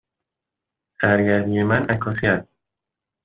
سرگرمی من عکاسی است.